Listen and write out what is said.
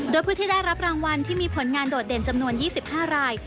โดยผู้ที่ได้รับรางวัลที่มีผลงานโดดเด่นจำนวน๒๕ราย